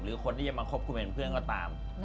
คนที่จะมาคบคุณเป็นเพื่อนก็ตาม